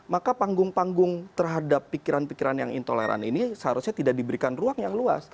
maka panggung panggung terhadap pikiran pikiran yang intoleran ini seharusnya tidak diberikan ruang yang luas